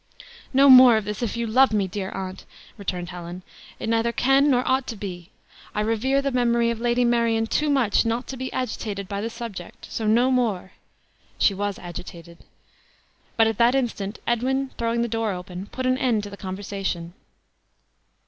"No more of this, if you love me, my dear aunt!" returned Helen; "it neither can nor ought to be. I revere the memory of Lady Marion too much not to be agitated by the subject; so, no more!" she was agitated. But at that instant Edwin throwing open the door, put an end to the conversation.